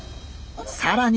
更に！